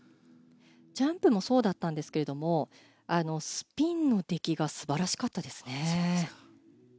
ジャンプもそうだったんですがスピンの出来が素晴らしかったですね。